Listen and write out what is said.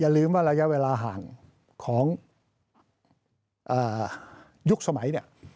อย่าลืมว่าระยะเวลาห่างของยุคสมัย